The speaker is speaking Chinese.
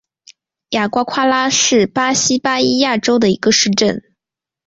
雅瓜夸拉是巴西巴伊亚州的一个市镇。